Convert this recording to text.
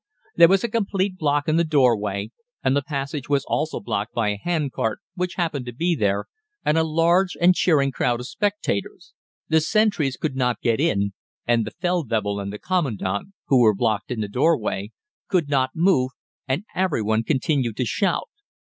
There was a complete block in the doorway, and the passage was also blocked by a hand cart, which happened to be there, and a large and cheering crowd of spectators. The sentries could not get in, and the Feldwebel and the Commandant, who were blocked in the doorway, could not move, and every one continued to shout.